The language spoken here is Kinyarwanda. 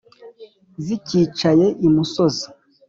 Zicyicaye imusozi